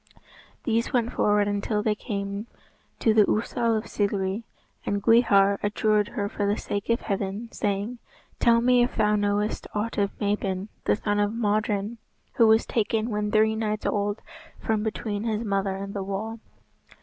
These went forward until they came to the Ousel of Cilgwri, and Gwrhyr adjured her for the sake of Heaven, saying, "Tell me if thou knowest aught of Mabon, the son of Modron, who was taken when three nights old from between his mother and the wall."